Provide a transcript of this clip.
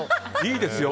いいですよ。